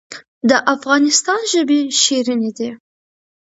د افغانستان ژبې شیرینې دي